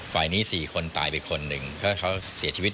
ฝ่ายนี้๔คนตายไป๑คนเพราะเขาเสียชีวิต